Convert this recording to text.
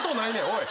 おい。